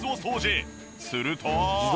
すると。